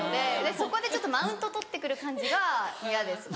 そこでちょっとマウント取って来る感じが嫌ですね。